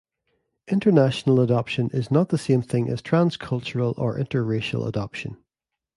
International adoption is not the same thing as transcultural or interracial adoption.